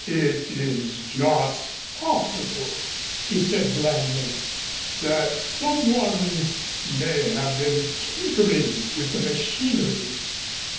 "It is just possible," he said blandly, "that someone may have been tinkering with the machinery."